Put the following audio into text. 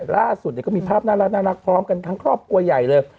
ล่าสุดก็มีภาพน่ารักพร้อมกันทั้งครอบครัวใหญ่เลย